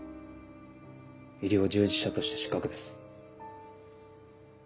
医療従事者として失格です。